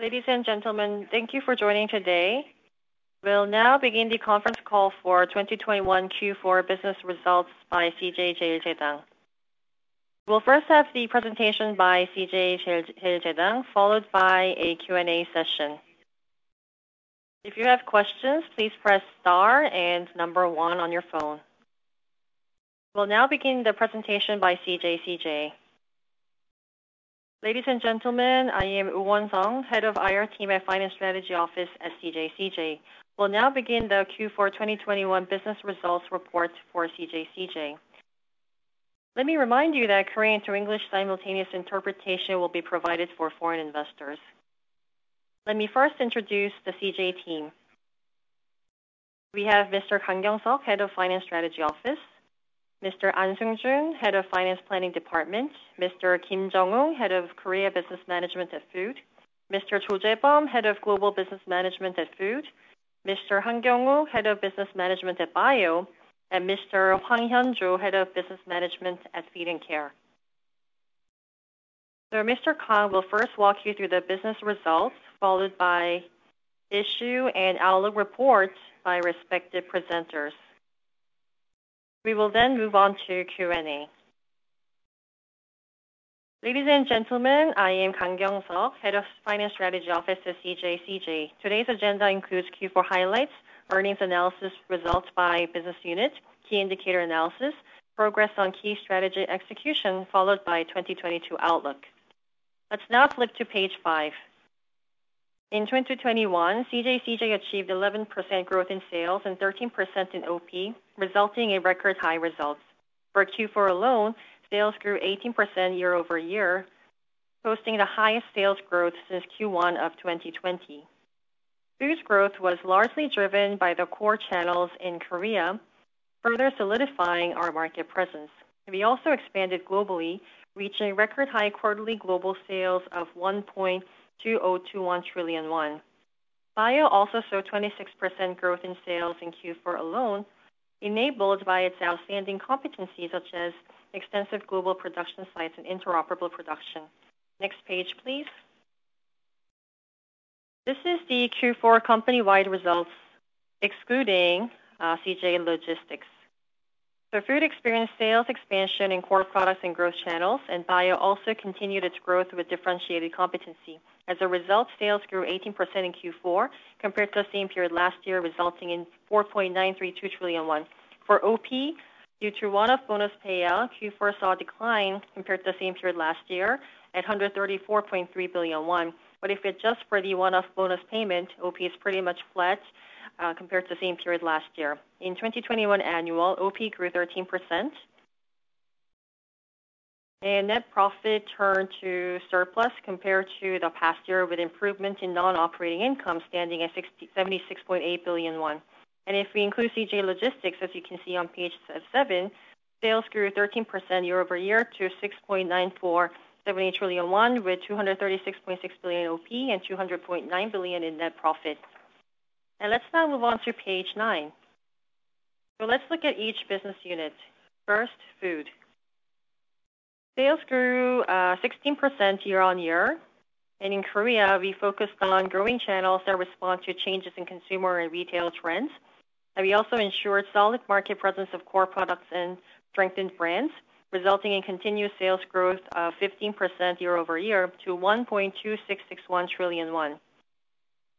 Ladies and gentlemen, thank you for joining today. We'll now begin the Conference Call for 2021 Q4 Business Results by CJ CheilJedang. We'll first have the presentation by CJ CheilJedang, followed by a Q&A session. If you have questions, please press star and number one on your phone. We'll now begin the presentation by CJ CheilJedang. Ladies and gentlemen, I am Woo Won-sung, Head of Investor Relation Team at Finance Strategy Office at CJ CheilJedang. We'll now begin the Q4 2021 business results report for CJ CheilJedang. Let me remind you that Korean to English simultaneous interpretation will be provided for foreign investors. Let me first introduce the CJ team. We have Mr. Kang Kyoung-suk, Head of Finance Strategy Office, Mr. An Seung-jun, Head of Finance Planning Department, Mr. Kim Jung-woo, Head of Food Korea Business Management. Mr. Cho Jae-bum, Head of Global Business Management at Food, Mr. Han Kyung-wook, Head of Business Management at Bio, and Mr. Hwang Hyun-ju, Head of Business Management at Feed and Care. Mr. Kang will first walk you through the business results, followed by issue and outlook reports by respective presenters. We will then move on to Q&A. Ladies and gentlemen, I am Kang Kyoung-suk, Head of Finance Strategy Office at CJ CheilJedang. Today's agenda includes Q4 highlights, earnings analysis results by business unit, key indicator analysis, progress on key strategy execution, followed by 2022 outlook. Let's now flip to page five. In 2021, CJ CheilJedang achieved 11% growth in sales and 13% in OP, resulting in record high results. For Q4 alone, sales grew 18% year-over-year, posting the highest sales growth since Q1 of 2020. Food's growth was largely driven by the core channels in Korea, further solidifying our market presence. We also expanded globally, reaching record high quarterly global sales of 1.2021 trillion won. Bio also saw 26% growth in sales in Q4 alone, enabled by its outstanding competencies such as extensive global production sites and interoperable production. Next page, please. This is the Q4 company-wide results, excluding CJ Logistics. Food experienced sales expansion in core products and growth channels, and Bio also continued its growth with differentiated competency. As a result, sales grew 18% in Q4 compared to the same period last year, resulting in 4.932 trillion won. For OP, due to one-off bonus payout, Q4 saw a decline compared to the same period last year at 134.3 billion won. If it's just for the one-off bonus payment, OP is pretty much flat compared to same period last year. In 2021 annual, OP grew 13%. Net profit turned to surplus compared to the past year, with improvement in non-operating income standing at 76.8 billion won. If we include CJ Logistics, as you can see on page seven, sales grew 13% year-over-year to 6.9478 trillion won, with 236.6 billion OP and 200.9 billion in net profit. Let's now move on to page nine. Let's look at each business unit. First, food. Sales grew 16% year-on-year. In Korea, we focused on growing channels that respond to changes in consumer and retail trends. We also ensured solid market presence of core products and strengthened brands, resulting in continuous sales growth of 15% year-over-year to 1.2661 trillion won.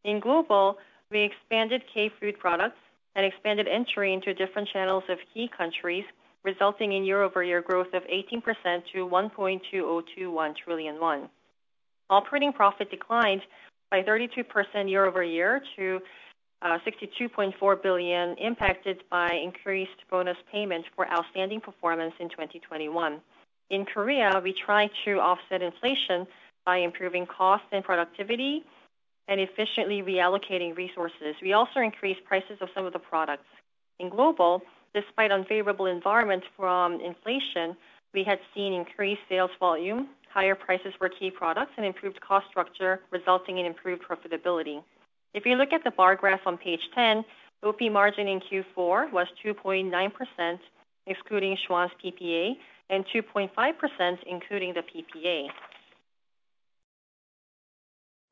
In global, we expanded K-food products and expanded entry into different channels of key countries, resulting in year-over-year growth of 18% to 1.2021 trillion. Operating profit declined by 32% year-over-year to 62.4 billion, impacted by increased bonus payments for outstanding performance in 2021. In Korea, we tried to offset inflation by improving cost and productivity and efficiently reallocating resources. We also increased prices of some of the products. In global, despite unfavorable environment from inflation, we had seen increased sales volume, higher prices for key products, and improved cost structure, resulting in improved profitability. If you look at the bar graph on page 10, OP margin in Q4 was 2.9%, excluding Schwan's PPA, and 2.5%, including the PPA.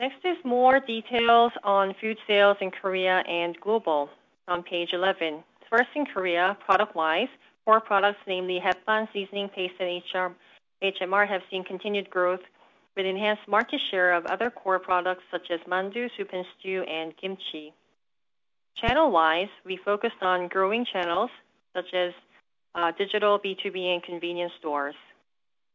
Next is more details on food sales in Korea and global on page 11. First, in Korea, product-wise, core products, namely Haechandle Seasoning Paste and HMR, have seen continued growth with enhanced market share of other core products such as Mandu, Soup and Stew, and Kimchi. Channel-wise, we focused on growing channels such as digital, B2B, and convenience stores.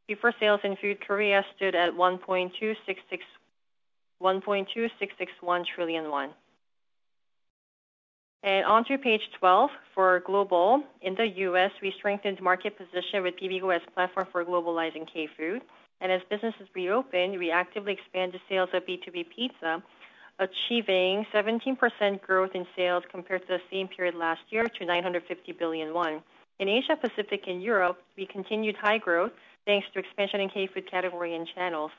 Q4 sales in Food Korea stood at 1.2661 trillion won. Onto page 12, for global, in the U.S., we strengthened market position with bibigo as platform for globalizing K-food. As businesses reopened, we actively expanded sales of B2B Pizza, achieving 17% growth in sales compared to the same period last year to 950 billion won. In Asia, Pacific, and Europe, we continued high growth, thanks to expansion in K-food category and channels.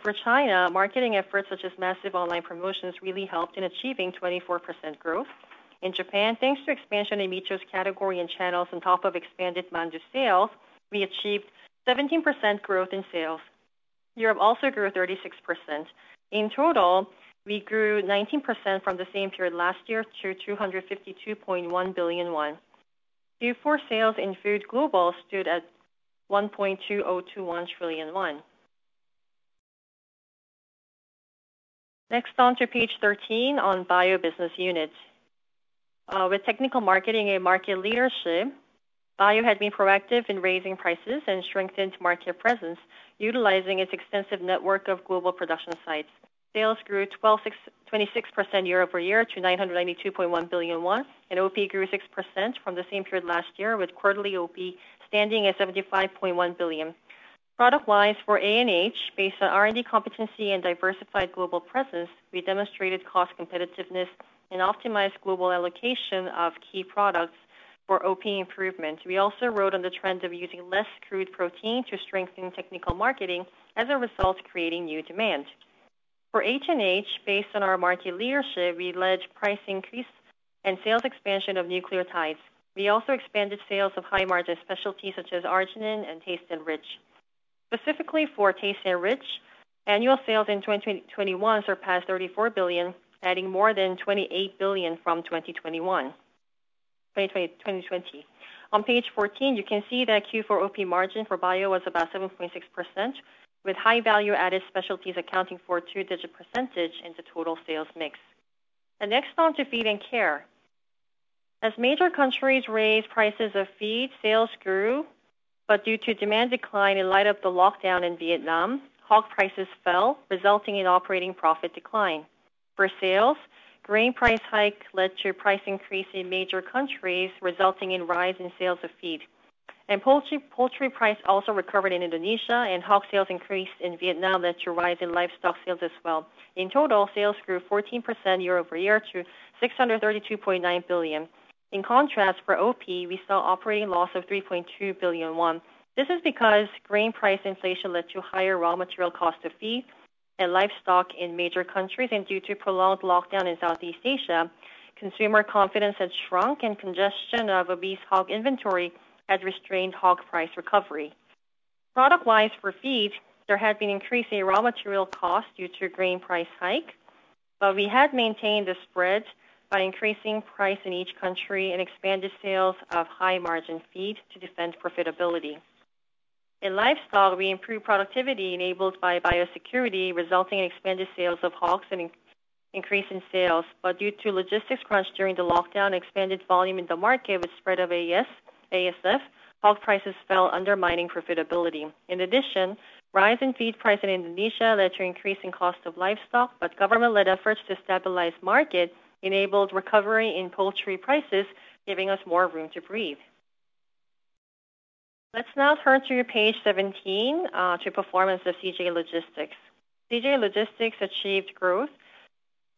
For China, marketing efforts such as massive online promotions really helped in achieving 24% growth. In Japan, thanks to expansion in Micho's category and channels on top of expanded Mandu sales, we achieved 17% growth in sales. Europe also grew 36%. In total, we grew 19% from the same period last year to 252.1 billion won. Q4 sales in Food Global stood at 1.2021 trillion won. Next, on to page 13 on Bio Business Unit. With technical marketing and market leadership, Bio has been proactive in raising prices and strengthened market presence utilizing its extensive network of global production sites. Sales grew 26% year-over-year to 992.1 billion won, and OP grew 6% from the same period last year, with quarterly OP standing at 75.1 billion. Product-wise, for ANH, based on R&D competency and diversified global presence, we demonstrated cost competitiveness and optimized global allocation of key products for OP improvements. We also rode on the trend of using less crude protein to strengthen technical marketing, as a result, creating new demand. For HNH, based on our market leadership, we led price increase and sales expansion of nucleotides. We also expanded sales of high-margin specialties such as arginine and TasteNrich. Specifically for TasteNrich, annual sales in 2021 surpassed 34 billion, adding more than 28 billion from 2020. On page 14, you can see that Q4 OP margin for Bio was about 7.6%, with high value-added specialties accounting for a two-digit percentage in the total sales mix. Next on to Feed & Care. As major countries raised prices of feed, sales grew, but due to demand decline in light of the lockdown in Vietnam, hog prices fell, resulting in operating profit decline. For sales, grain price hike led to price increase in major countries, resulting in rise in sales of feed. Poultry price also recovered in Indonesia, and hog sales increase in Vietnam led to rise in livestock sales as well. In total, sales grew 14% year-over-year to KRW 632.9 billion. In contrast, for OP, we saw operating loss of 3.2 billion won. This is because grain price inflation led to higher raw material cost of feed and livestock in major countries, and due to prolonged lockdown in Southeast Asia, consumer confidence had shrunk and congestion of obese hog inventory had restrained hog price recovery. Product-wise, for feed, there had been increase in raw material cost due to grain price hike, but we had maintained the spread by increasing price in each country and expanded sales of high-margin feed to defend profitability. In livestock, we improved productivity enabled by biosecurity, resulting in expanded sales of hogs and increase in sales. Due to logistics crunch during the lockdown, expanded volume in the market with spread of ASF, hog prices fell, undermining profitability. In addition, rise in feed price in Indonesia led to increase in cost of livestock, but government-led efforts to stabilize market enabled recovery in poultry prices, giving us more room to breathe. Let's now turn to page 17 to performance of CJ Logistics. CJ Logistics achieved growth.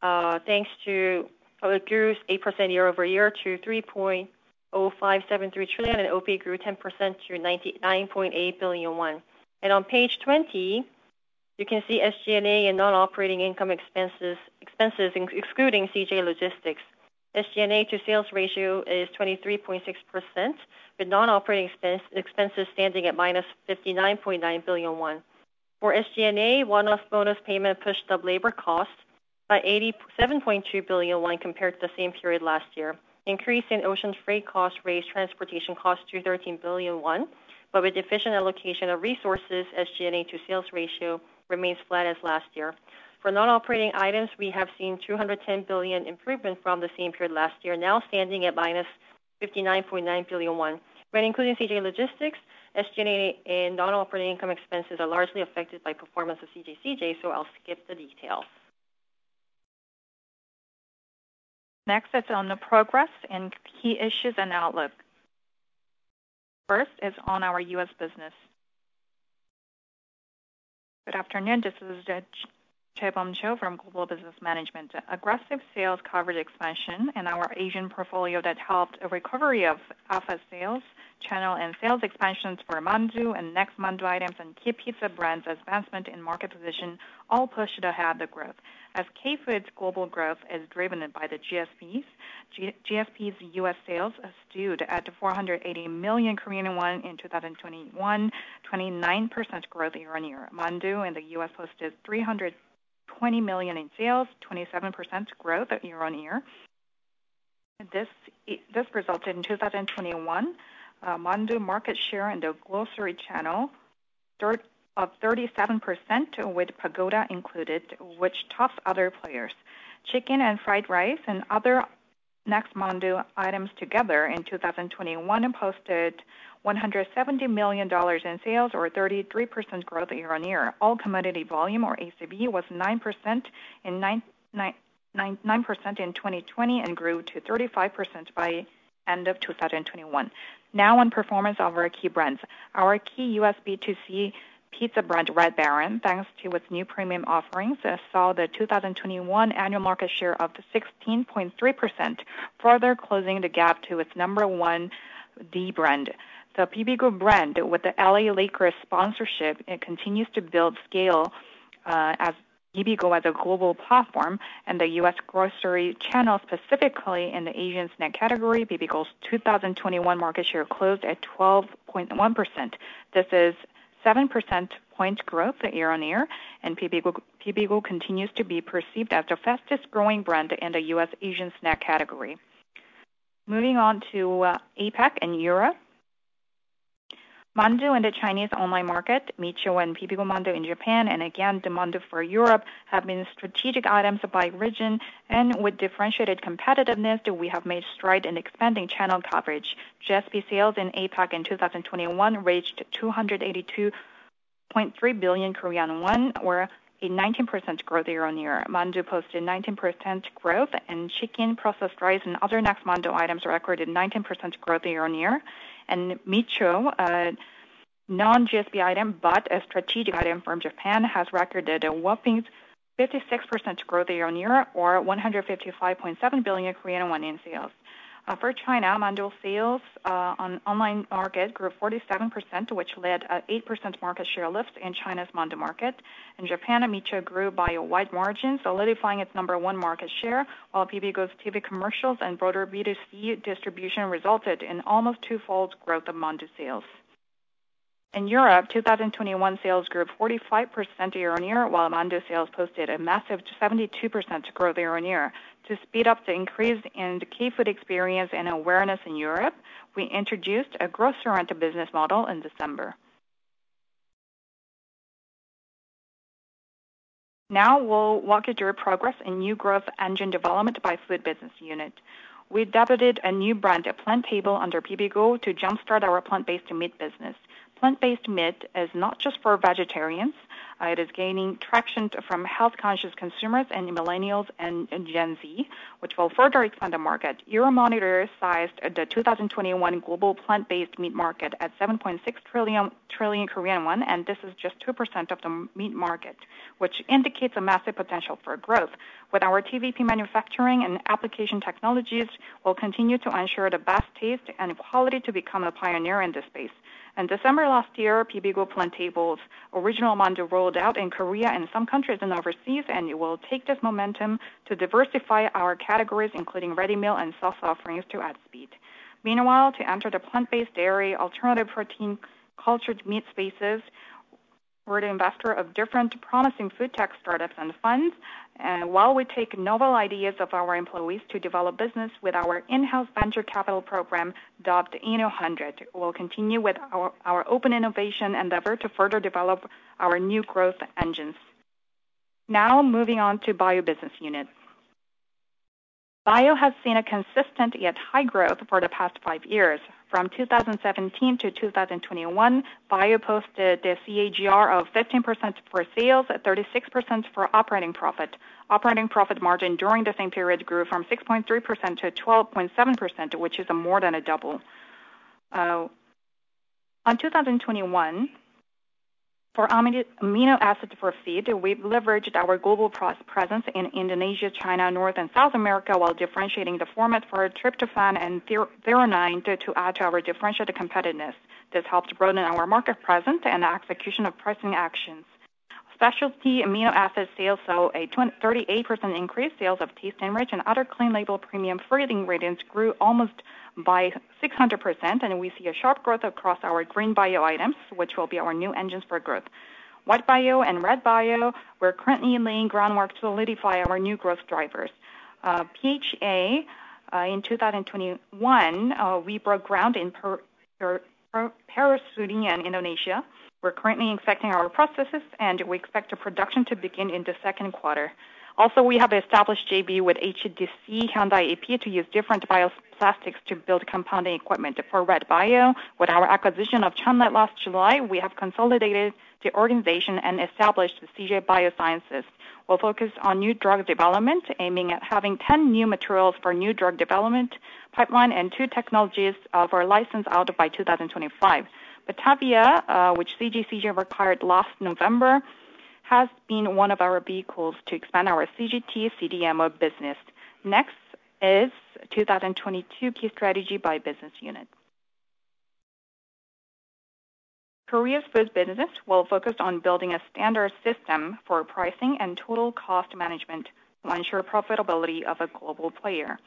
It grew 8% year-over-year to 3.0573 trillion, and OP grew 10% to 99.8 billion won. On page 20, you can see SG&A and non-operating income and expenses excluding CJ Logistics. SG&A to sales ratio is 23.6%, with non-operating expenses standing at -59.9 billion won. For SG&A, one-off bonus payment pushed up labor costs by 87.2 billion won compared to the same period last year. Increase in ocean freight costs raised transportation costs to 13 billion won, but with efficient allocation of resources, SG&A to sales ratio remains flat as last year. For non-operating items, we have seen 210 billion improvement from the same period last year, now standing at -59.9 billion. When including CJ Logistics, SG&A and non-operating income expenses are largely affected by performance of CJ CheilJedang, so I'll skip the details. Next is on the progress in key issues and outlook. First is on our U.S. business. Good afternoon, this is Cho Jae-bum from Global Business Management. Aggressive sales coverage expansion in our Asian portfolio that helped a recovery of Alpha sales, channel and sales expansions for Mandu and Next Mandu items, and key pizza brands' advancement in market position all pushed ahead the growth. K-food's global growth is driven by the GSPs. GSP's U.S. sales is due to add to KRW 480 million in 2021, 29% growth year-on-year. Mandu in the U.S. hosted $320 million in sales, 27% growth year-on-year. This resulted in 2021 Mandu market share in the grocery channel of 37% with Pagoda included, which tops other players. Chicken and fried rice and other Next Mandu items together in 2021 posted $170 million in sales or a 33% growth year-on-year. All commodity volume, or ACV, was 9% in 1999 and 9% in 2020 and grew to 35% by end of 2021. Now on performance of our key brands. Our key U.S. B2C pizza brand, Red Baron, thanks to its new premium offerings, saw the 2021 annual market share of 16.3%, further closing the gap to its number one, the brand. The PB Group brand, with the L.A. Lakers sponsorship, continues to build scale. As bibigo, a global platform and the U.S. grocery channel, specifically in the Asian snack category, bibigo's 2021 market share closed at 12.1%. This is 7 percentage point growth year-on-year, and bibigo continues to be perceived as the fastest growing brand in the U.S. Asian snack category. Moving on to APAC and Europe. Mandu in the Chinese online market, Micho and bibigo Mandu in Japan, and again, the Mandu for Europe have been strategic items by region, and with differentiated competitiveness, we have made strides in expanding channel coverage. GSP sales in APAC in 2021 reached 282.3 billion Korean won, or a 19% growth year-on-year. Mandu posted 19% growth, and chicken, processed rice, and other Next Mandu items recorded 19% growth year-on-year. Micho, non-GSP item, but a strategic item from Japan, has recorded a whopping 56% growth year-on-year or 155.7 billion Korean won in sales. For China, Mandu sales on online market grew 47%, which led to an 8% market share lift in China's Mandu market. In Japan, Micho grew by a wide margin, solidifying its number-one market share, while bibigo's TV commercials and broader B2C distribution resulted in almost two-fold growth of Mandu sales. In Europe, 2021 sales grew 45% year-on-year, while Mandu sales posted a massive 72% growth year-on-year. To speed up the increase in K-food experience and awareness in Europe, we introduced a grocery-oriented business model in December. Now we'll walk you through progress in new growth engine development by food business unit. We debuted a new brand, PlanTable, under bibigo to jumpstart our plant-based meat business. Plant-based meat is not just for vegetarians. It is gaining traction from health-conscious consumers and millennials and Gen Z, which will further expand the market. Euromonitor sized the 2021 global plant-based meat market at 7.6 trillion, and this is just 2% of the meat market, which indicates a massive potential for growth. With our TVP manufacturing and application technologies, we'll continue to ensure the best taste and quality to become a pioneer in this space. In December last year, bibigo PlanTable's original Mandu rolled out in Korea and some countries in overseas, and it will take this momentum to diversify our categories, including ready meal and sauce offerings to add speed. Meanwhile, to enter the plant-based dairy alternative protein cultured meat spaces, we're the investor of different promising food tech startups and funds. While we take novel ideas of our employees to develop business with our in-house venture capital program dubbed Inno100, we'll continue with our open innovation endeavor to further develop our new growth engines. Now, moving on to Bio business unit. Bio has seen a consistent yet high growth for the past five years. From 2017 to 2021, Bio posted a CAGR of 15% for sales, 36% for operating profit. Operating profit margin during the same period grew from 6.3% to 12.7%, which is more than a double. In 2021, for amino acids for feed, we've leveraged our global presence in Indonesia, China, North and South America while differentiating the format for tryptophan and threonine to add to our differentiated competitiveness. This helped broaden our market presence and execution of pricing actions. Specialty amino acid sales saw a 38% increase, sales of TasteNrich and other clean label premium flavoring ingredients grew almost by 600%, and we see a sharp growth across our green bio items, which will be our new engines for growth. White bio and Red bio, we're currently laying groundwork to solidify our new growth drivers. PHA, in 2021, we broke ground in Pasuruan, Indonesia. We're currently expediting our processes, and we expect the production to begin in the second quarter. Also, we have established JV with HDC Hyundai EP to use different bioplastics to build compounding equipment. For Red bio, with our acquisition of ChunLab last July, we have consolidated the organization and established the CJ Bioscience. We'll focus on new drug development, aiming at having 10 new materials for new drug development pipeline and two technologies for license out by 2025. Batavia, which CJ acquired last November, has been one of our vehicles to expand our CGT CDMO business. Next is 2022 key strategy by business unit. Korea's food business will focus on building a standard system for pricing and total cost management to ensure profitability of a global player.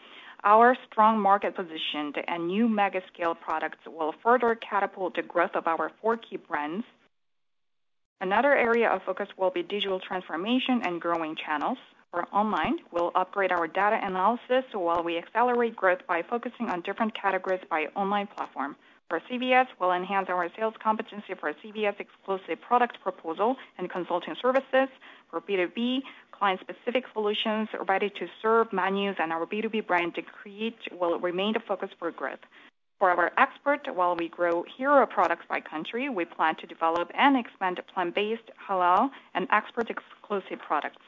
Our strong market position and new mega scale products will further catapult the growth of our four key brands. Another area of focus will be digital transformation and growing channels. For online, we'll upgrade our data analysis while we accelerate growth by focusing on different categories by online platform. For CVS, we'll enhance our sales competency for CVS exclusive product proposal and consulting services. For B2B, client-specific solutions ready-to-serve menus in our B2B brand to create will remain the focus for growth. For our export, while we grow hero products by country, we plan to develop and expand plant-based, halal, and export-exclusive products.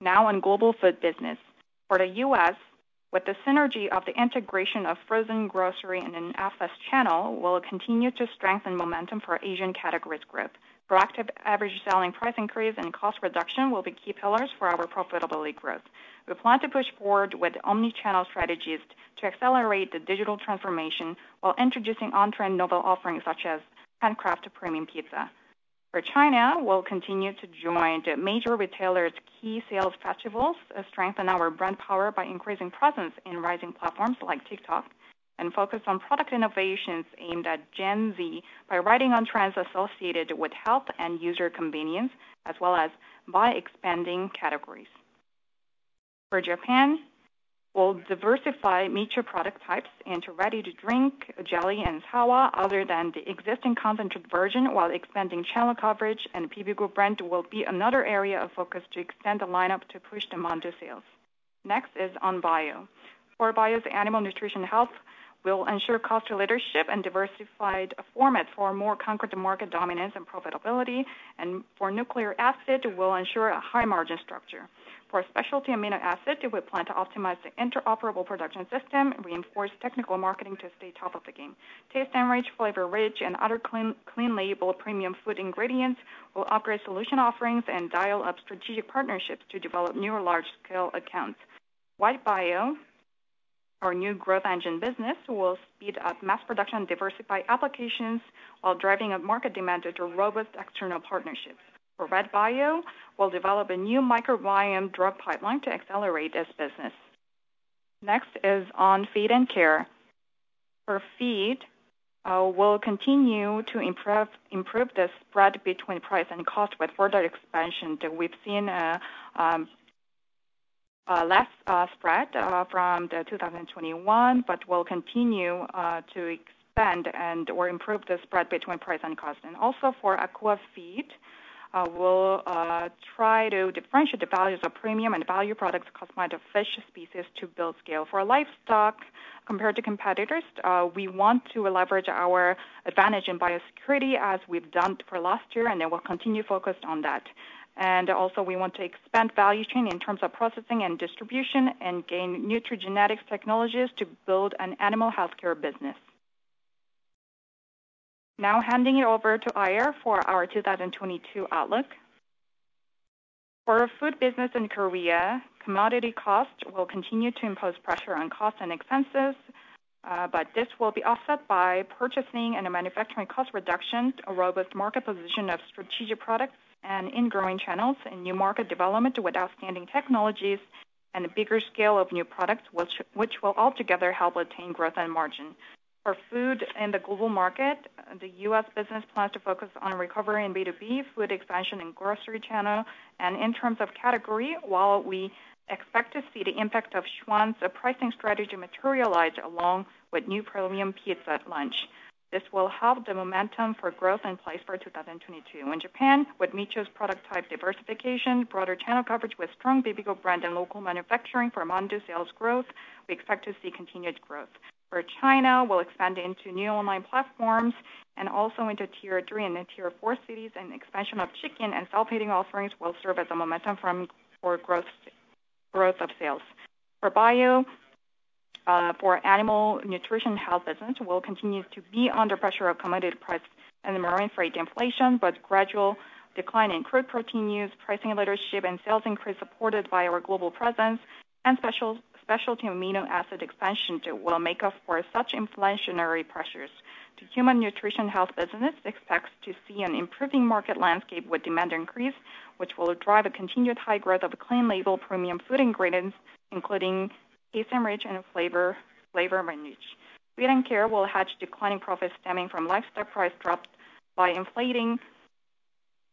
Now, on global food business. For the U.S., with the synergy of the integration of frozen grocery and an FS channel, we'll continue to strengthen momentum for Asian categories growth. Proactive average selling price increase and cost reduction will be key pillars for our profitability growth. We plan to push forward with omni-channel strategies to accelerate the digital transformation while introducing on-trend novel offerings such as handcrafted premium pizza. For China, we'll continue to join the major retailers' key sales festivals and strengthen our brand power by increasing presence in rising platforms like TikTok, and focus on product innovations aimed at Gen Z by riding on trends associated with health and user convenience, as well as by expanding categories. For Japan, we'll diversify Micho product types into ready-to-drink jelly and sour other than the existing concentrated version while expanding channel coverage, and PB brand will be another area of focus to extend the lineup to push demand to sales. Next is bio. For Bio's Animal Nutrition & Health, we'll ensure cost leadership and diversified formats for more concrete market dominance and profitability. For nucleic acid, we'll ensure a high margin structure. For specialty amino acid, we plan to optimize the interoperable production system, reinforce technical marketing to stay on top of the game. TasteNrich, FlavorNrich, and other clean label premium food ingredients will upgrade solution offerings and dial up strategic partnerships to develop new large-scale accounts. White bio, our new growth engine business, will speed up mass production, diversify applications while driving up market demand through robust external partnerships. For Red bio, we'll develop a new microbiome drug pipeline to accelerate this business. Next is on Feed & Care. For Feed, we'll continue to improve the spread between price and cost with further expansion that we've seen less spread from 2021, but we'll continue to expand and/or improve the spread between price and cost. Also for aqua feed, we'll try to differentiate the values of premium and value products customized to fish species to build scale. For livestock, compared to competitors, we want to leverage our advantage in biosecurity as we've done for last year, and then we'll continue focused on that. Also, we want to expand value chain in terms of processing and distribution and gain nutrigenetics technologies to build an animal healthcare business. Now handing it over to Iyer for our 2022 outlook. For our food business in Korea, commodity costs will continue to impose pressure on costs and expenses, but this will be offset by purchasing and manufacturing cost reductions, a robust market position of strategic products and in-growing channels and new market development with outstanding technologies and a bigger scale of new products which will altogether help attain growth and margin. For food in the global market, the U.S. business plans to focus on recovery in B2B, food expansion in grocery channel. In terms of category, while we expect to see the impact of Schwan's pricing strategy materialize along with new premium pizza at lunch. This will help the momentum for growth in place for 2022. In Japan, with Micho's product type diversification, broader channel coverage with strong PB brand and local manufacturing for Mandu sales growth, we expect to see continued growth. For China, we'll expand into new online platforms and also into tier three and tier four cities, and expansion of chicken and self-heating offerings will serve as a momentum for growth of sales. For Bio, the Animal Nutrition & Health business will continue to be under pressure of commodity price and marine freight inflation, but gradual decline in crude protein use, pricing leadership and sales increase supported by our global presence and specialty amino acid expansion will make up for such inflationary pressures. The Human Nutrition & Health business expects to see an improving market landscape with demand increase, which will drive a continued high growth of clean label premium food ingredients, including TasteNrich and FlavorNrich. Feed & Care will offset declining profits stemming from livestock price drops by inflating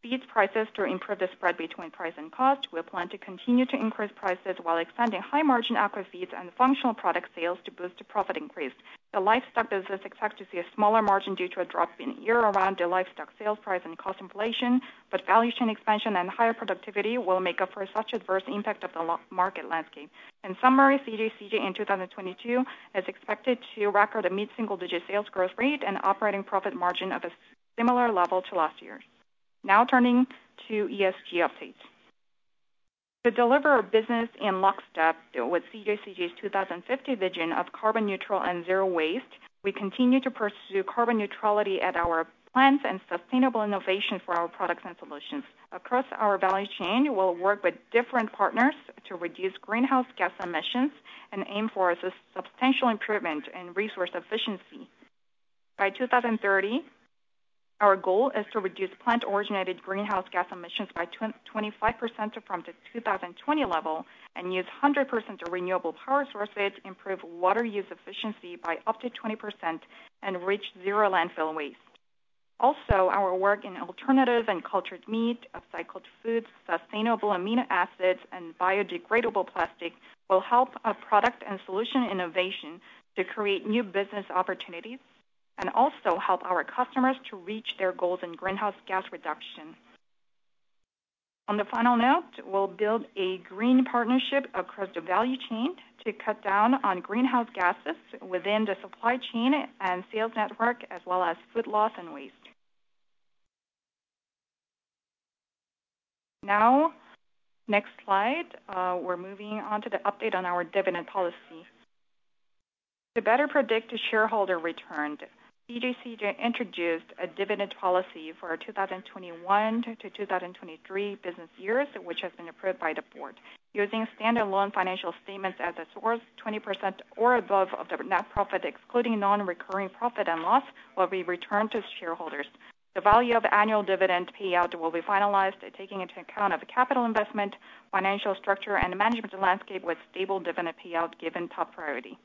feed prices to improve the spread between price and cost. We plan to continue to increase prices while expanding high margin aqua feeds and functional product sales to boost the profit increase. The livestock business expects to see a smaller margin due to a drop in year-on-year livestock sales price and cost inflation, but value chain expansion and higher productivity will make up for such adverse impact of the low-market landscape. In summary, CJ CheilJedang in 2022 is expected to record a mid-single-digit sales growth rate and operating profit margin of a similar level to last year's. Now turning to ESG updates. To deliver our business in lockstep with CJ CheilJedang's 2050 vision of carbon-neutral and zero-waste, we continue to pursue carbon neutrality at our plants and sustainable innovation for our products and solutions. Across our value chain, we'll work with different partners to reduce greenhouse gas emissions and aim for a substantial improvement in resource efficiency. By 2030, our goal is to reduce plant-originated greenhouse gas emissions by 25% from the 2020 level and use 100% renewable power sources, improve water use efficiency by up to 20% and reach zero landfill waste. Also, our work in alternative and cultured meat, upcycled foods, sustainable amino acids, and biodegradable plastic will help our product and solution innovation to create new business opportunities and also help our customers to reach their goals in greenhouse gas reduction. On the final note, we'll build a green partnership across the value chain to cut down on greenhouse gases within the supply chain and sales network, as well as food loss and waste. Now, next slide, we're moving on to the update on our dividend policy. To better predict the shareholder return, CJ CheilJedang introduced a dividend policy for 2021 to 2023 business years, which has been approved by the board. Using consolidated financial statements as a source, 20% or above of the net profit, excluding non-recurring profit and loss, will be returned to shareholders. The value of annual dividend payout will be finalized, taking into account of the capital investment, financial structure, and management landscape with stable dividend payout given top priority.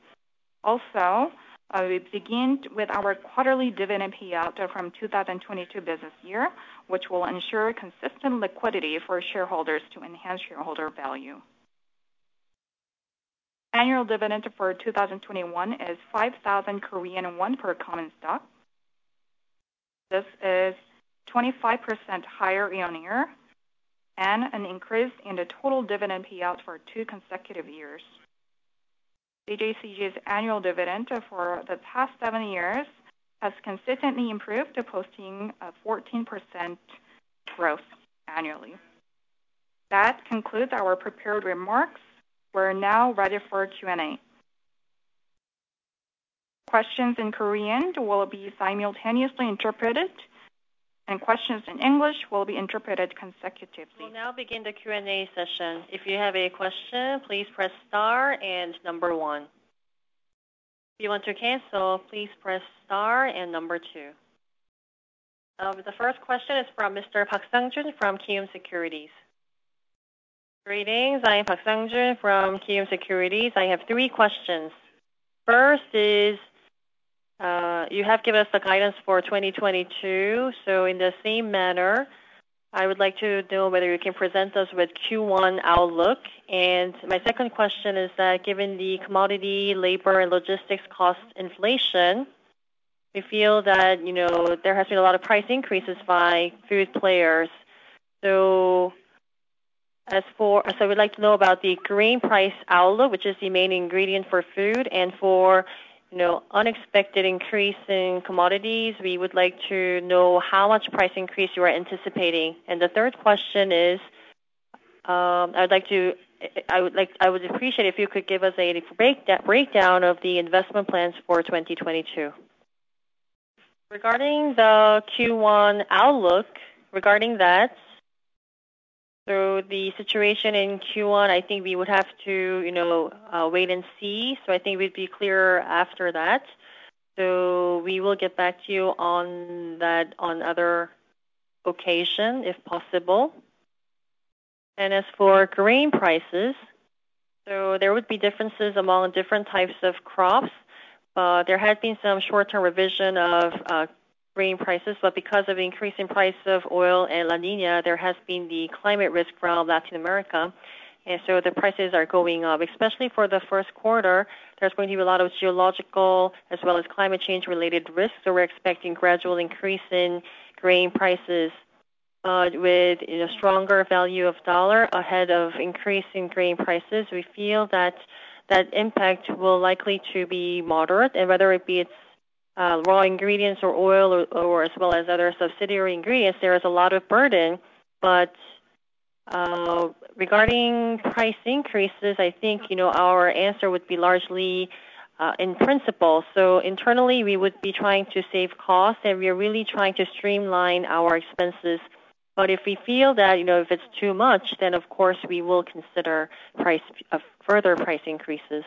Also, we begin with our quarterly dividend payout from 2022 business year, which will ensure consistent liquidity for shareholders to enhance shareholder value. Annual dividend for 2021 is 5,000 Korean won per common stock. This is 25% higher year-on-year and an increase in the total dividend payout for two consecutive years. CJ CheilJedang's annual dividend for the past seven years has consistently improved, posting a 14% growth annually. That concludes our prepared remarks. We're now ready for Q&A. Questions in Korean will be simultaneously interpreted, and questions in English will be interpreted consecutively. We'll now begin the Q&A session. If you have a question, please press star and number one. The first question is from Mr. Park Sang-jun from Kiwoom Securities. Greetings, I am Park Sang-jun from Kiwoom Securities. I have three questions. First is, you have given us the guidance for 2022. In the same manner, I would like to know whether you can present us with Q1 outlook. My second question is that given the commodity, labor, and logistics cost inflation, we feel that, you know, there has been a lot of price increases by food players. We'd like to know about the grain price outlook, which is the main ingredient for food. For, you know, unexpected increase in commodities, we would like to know how much price increase you are anticipating. The third question is, I would appreciate if you could give us a breakdown of the investment plans for 2022. Regarding the Q1 outlook, regarding that, the situation in Q1, I think we would have to wait and see. I think we'd be clearer after that. We will get back to you on that on other occasion, if possible. As for grain prices, there would be differences among different types of crops. There has been some short-term revision of grain prices, but because of increasing price of oil and La Niña, there has been the climate risk from Latin America, the prices are going up. Especially for the first quarter, there's going to be a lot of geopolitical as well as climate change-related risks, so we're expecting gradual increase in grain prices with a stronger value of dollar ahead of increasing grain prices. We feel that impact will likely to be moderate. Whether it be raw ingredients or oil or as well as other secondary ingredients, there is a lot of burden. Regarding price increases, I think, you know, our answer would be largely in principle. Internally, we would be trying to save costs, and we are really trying to streamline our expenses. If we feel that, you know, if it's too much, then of course, we will consider price further price increases.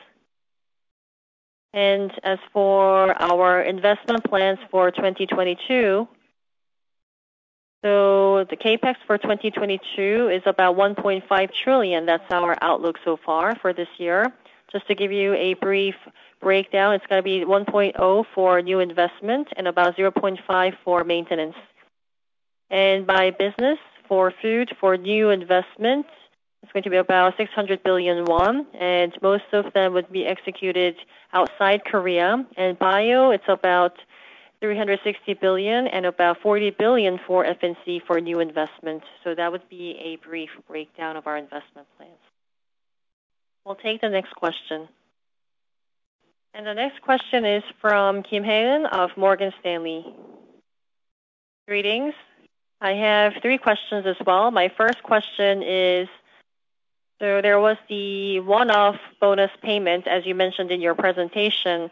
As for our investment plans for 2022, the CapEx for 2022 is about 1.5 trillion. That's our outlook so far for this year. Just to give you a brief breakdown, it's gonna be 1.0 for new investment and about 0.5 for maintenance. By business, for food, for new investment, it's going to be about 600 billion won, and most of them would be executed outside Korea. In bio, it's about 360 billion and about 40 billion for F&C for new investments. That would be a brief breakdown of our investment plans. We'll take the next question. The next question is from Hae-eun Kim of Morgan Stanley. Greetings. I have three questions as well. My first question is, so there was the one-off bonus payment, as you mentioned in your presentation.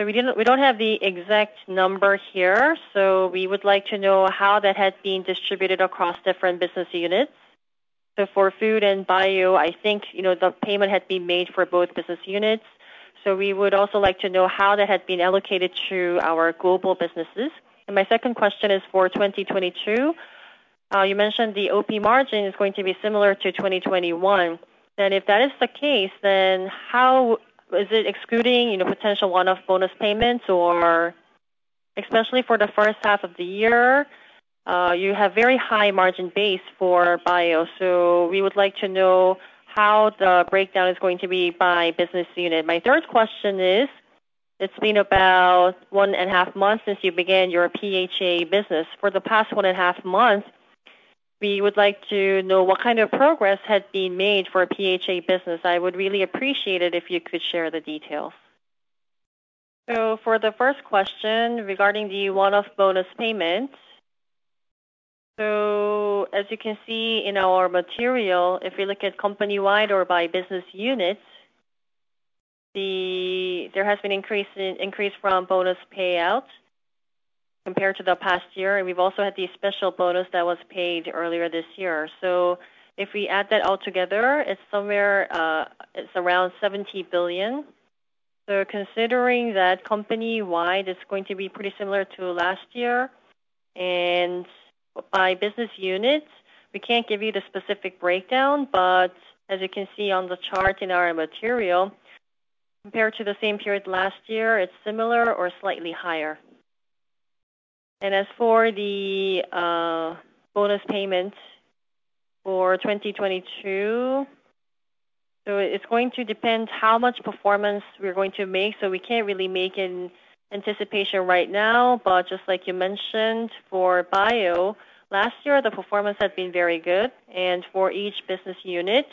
We didn't, we don't have the exact number here, so we would like to know how that has been distributed across different business units. For food and bio, I think, you know, the payment had been made for both business units. We would also like to know how that had been allocated to our global businesses. My second question is for 2022. You mentioned the OP margin is going to be similar to 2021. If that is the case, then how is it excluding, you know, potential one-off bonus payments? Or especially for the first half of the year, you have very high margin base for bio. We would like to know how the breakdown is going to be by business unit. My third question is, it's been about one and a half months since you began your PHA business. For the past one and a half months, we would like to know what kind of progress has been made for PHA business. I would really appreciate it if you could share the details. For the first question, regarding the one-off bonus payment, as you can see in our material, if we look at company-wide or by business unit, there has been an increase in bonus payout compared to the past year, and we've also had the special bonus that was paid earlier this year. If we add that all together, it's around 70 billion. Considering that company-wide, it's going to be pretty similar to last year and by business units, we can't give you the specific breakdown. But as you can see on the chart in our material, compared to the same period last year, it's similar or slightly higher. As for the bonus payment for 2022, it's going to depend how much performance we're going to make, so we can't really make an anticipation right now. Just like you mentioned, for bio, last year the performance had been very good. For each business unit,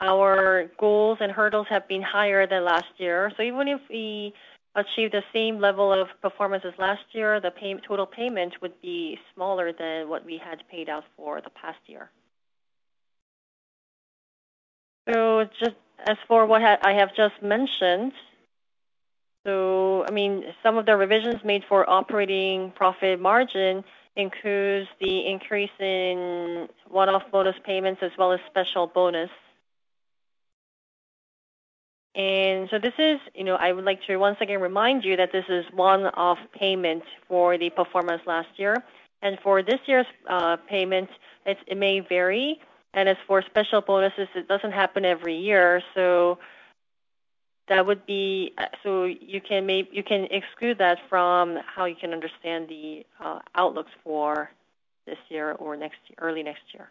our goals and hurdles have been higher than last year. Even if we achieve the same level of performance as last year, the total payment would be smaller than what we had paid out for the past year. Just as for what I have just mentioned, I mean, some of the revisions made for operating profit margin includes the increase in one-off bonus payments as well as special bonus. This is, you know, I would like to once again remind you that this is one-off payment for the performance last year. For this year's payment, it may vary. As for special bonuses, it doesn't happen every year. That would be. You can exclude that from how you can understand the outlooks for this year or next year, early next year.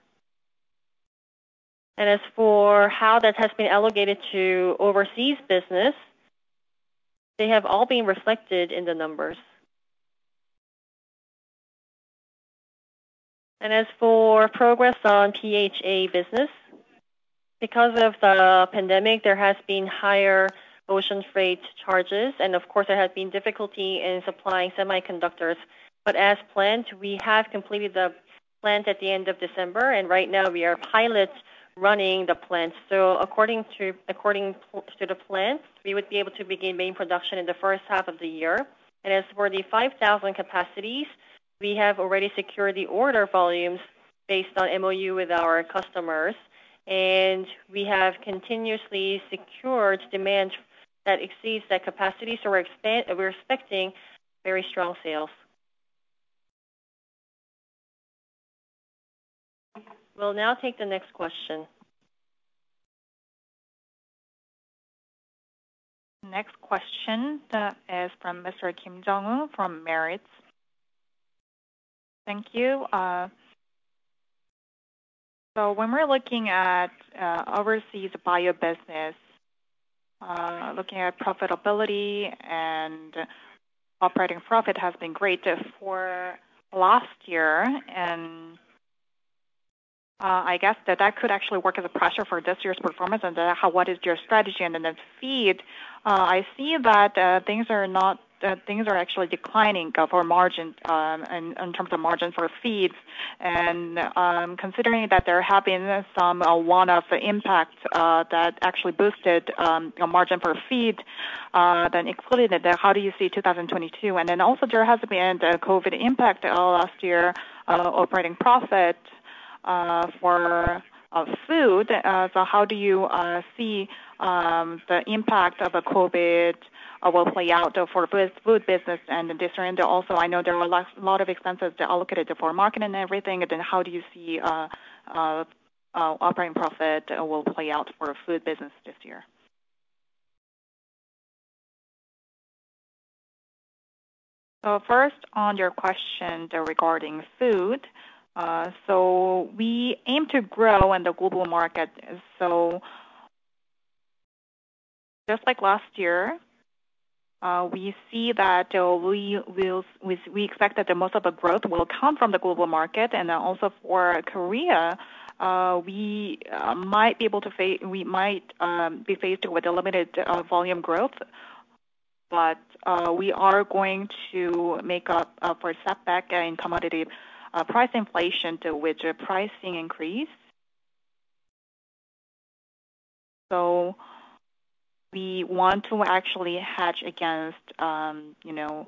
As for how that has been allocated to overseas business, they have all been reflected in the numbers. As for progress on PHA business, because of the pandemic, there has been higher ocean freight charges, and of course, there has been difficulty in supplying semiconductors. As planned, we have completed the plant at the end of December, and right now we are pilot running the plant. According to the plan, we would be able to begin main production in the first half of the year. As for the 5,000 capacities, we have already secured the order volumes based on MOU with our customers, and we have continuously secured demand that exceeds that capacity. We're expecting very strong sales. We'll now take the next question. Next question is from Mr. Park Jeong-eun from Meritz. Thank you. So when we're looking at overseas bio business, looking at profitability and operating profit has been great for last year. I guess that could actually work as a pressure for this year's performance. What is your strategy? Then the feed, I see that things are actually declining for margin, in terms of margin for feeds. Considering that there have been some one-off impacts that actually boosted, you know, margin for feed, then excluded, how do you see 2022? Then also there has been the COVID impact last year, operating profit for food. How do you see the impact of the COVID will play out for food business and the different? Also, I know there were a lot of expenses allocated for marketing and everything. How do you see operating profit will play out for food business this year? First, on your question regarding food, we aim to grow in the global market. Just like last year, we expect that the most of the growth will come from the global market. Also for Korea, we might be faced with a limited volume growth, but we are going to make up for setback in commodity price inflation through pricing increase. We want to actually hedge against, you know,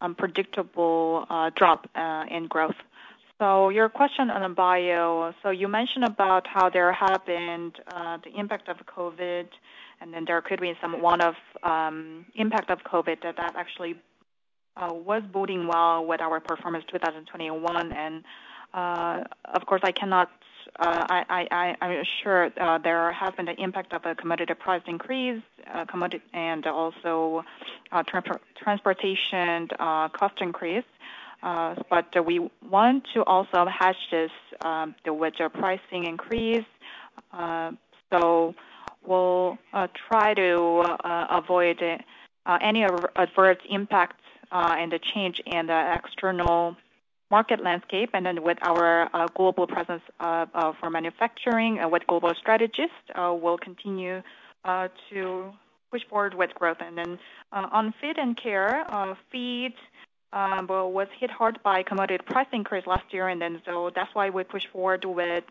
unpredictable drop in growth. Your question on bio, you mentioned about how there had been the impact of COVID, and then there could be some one-off impact of COVID that actually was boding well with our performance 2021. Of course, I assure there have been the impact of a commodity price increase, commodity, and also transportation cost increase. We want to also hedge this with which pricing increase. We'll try to avoid any adverse impacts and the change in the external market landscape. With our global presence for manufacturing and with global strategists, we'll continue to push forward with growth. On Feed & Care, feed was hit hard by commodity price increase last year, and that's why we push forward with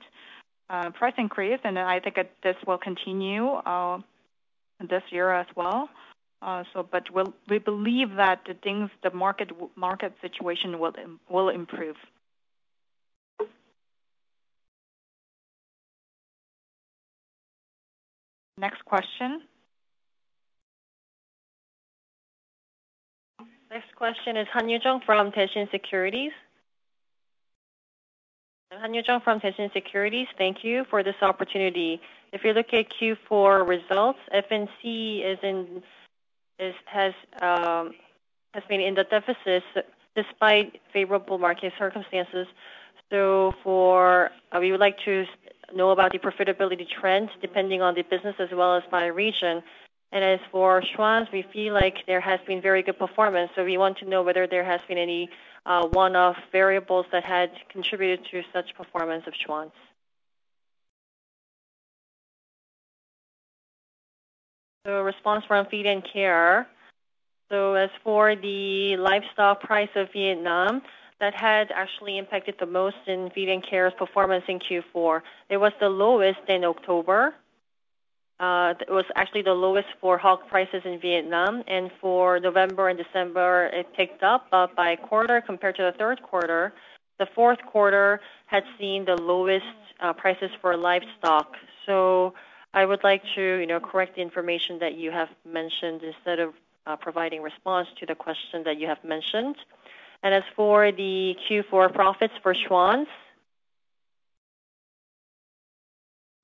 price increase. I think this will continue this year as well. We believe that the market situation will improve. Next question is Han Yoo-jung from Daishin Securities. Thank you for this opportunity. If you look at Q4 results, F&C has been in the deficit despite favorable market circumstances. We would like to know about the profitability trends, depending on the business as well as by region. As for Schwan's, we feel like there has been very good performance, so we want to know whether there has been any one-off variables that had contributed to such performance of Schwan's. A response from Feed & Care. As for the livestock price of Vietnam, that had actually impacted the most in Feed & Care's performance in Q4. It was the lowest in October. It was actually the lowest for hog prices in Vietnam, and for November and December, it picked up by quarter compared to the third quarter. The fourth quarter had seen the lowest prices for livestock. I would like to, you know, correct the information that you have mentioned instead of providing response to the question that you have mentioned. As for the Q4 profits for Schwan's.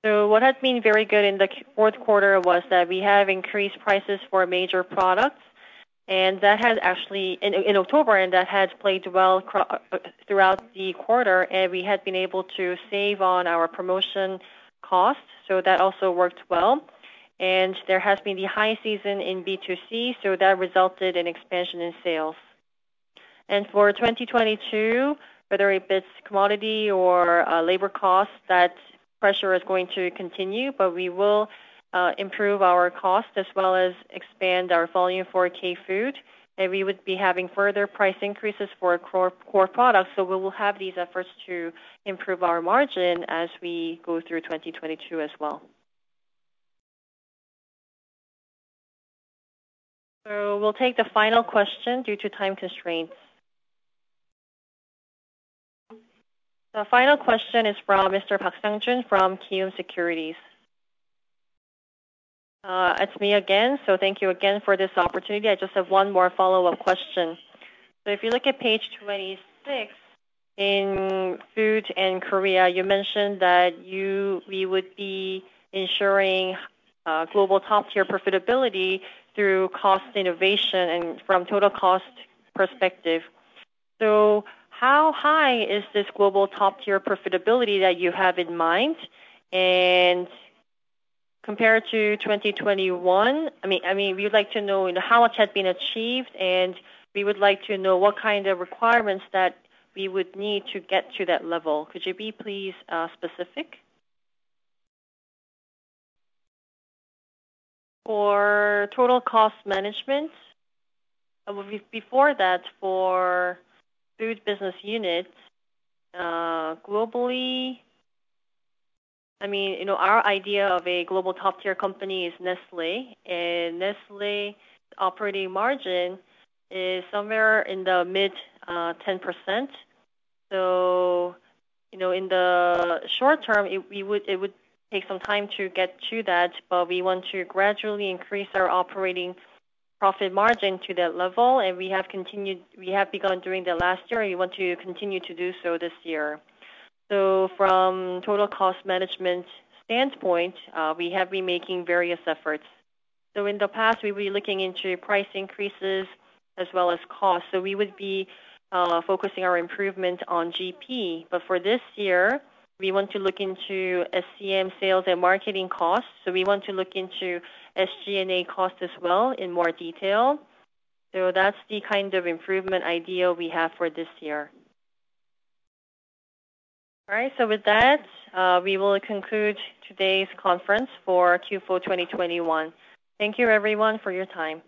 What has been very good in the fourth quarter was that we have increased prices for major products, and that has actually in October, and that has played well throughout the quarter, and we had been able to save on our promotion costs, so that also worked well. There has been the high season in B2C, so that resulted in expansion in sales. For 2022, whether it is commodity or labor costs, that pressure is going to continue. We will improve our cost as well as expand our volume for K-food, and we would be having further price increases for core products. We will have these efforts to improve our margin as we go through 2022 as well. We'll take the final question due to time constraints. The final question is from Mr. Park Sang-jun from Kiwoom Securities. It's me again, so thank you again for this opportunity. I just have one more follow-up question. If you look at page 26, in Food in Korea, you mentioned that we would be ensuring global top-tier profitability through cost innovation and from total cost perspective. How high is this global top-tier profitability that you have in mind? Compared to 2021, I mean, we would like to know how much has been achieved, and we would like to know what kind of requirements that we would need to get to that level. Could you please be specific? For total cost management, before that, for food business units, globally, I mean, you know, our idea of a global top-tier company is Nestlé. Nestlé operating margin is somewhere in the mid-10%. You know, in the short term, it would take some time to get to that, but we want to gradually increase our operating profit margin to that level. We have begun during the last year, and we want to continue to do so this year. From total cost management standpoint, we have been making various efforts. In the past, we've been looking into price increases as well as costs, so we would be focusing our improvement on GP. For this year, we want to look into SCM sales and marketing costs, so we want to look into SG&A costs as well in more detail. That's the kind of improvement idea we have for this year. All right. With that, we will conclude today's conference for Q4 2021. Thank you everyone for your time.